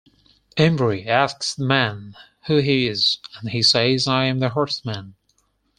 Imbri asks the man who he is, and he says "I am the Horseman".